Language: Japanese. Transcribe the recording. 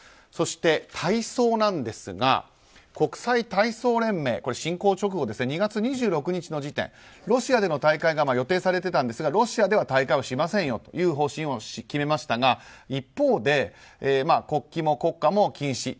そして、体操なんですが国際体操連盟、侵攻直後の２月２６日の時点、ロシアでの大会が予定されていたんですがロシアでは大会をしないという方針を決めましたが一方で国旗も国歌も禁止。